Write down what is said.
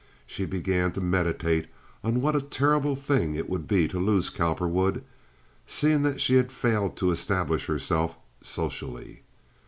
She began to meditate on what a terrible thing it would be to lose Cowperwood, seeing that she had failed to establish herself socially.